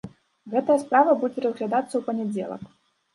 Гэтая справа будзе разглядацца ў панядзелак.